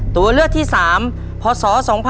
ตัวเลือกที่๓พศ๒๕๖๒